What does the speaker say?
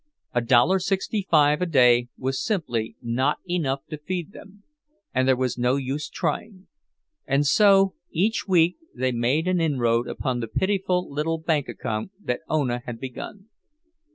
A dollar sixty five a day was simply not enough to feed them, and there was no use trying; and so each week they made an inroad upon the pitiful little bank account that Ona had begun.